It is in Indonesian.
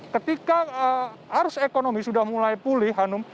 ketika arus ekonomi sudah mulai pulih hanum